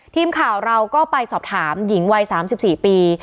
ทีมข่าวเราก็ไปสอบถามหญิงวัย๓๔ปี